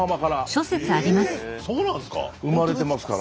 そうなんですか？